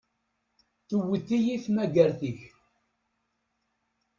Tewwet-iyi tmagart-ik.